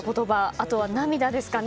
あとは、涙ですかね。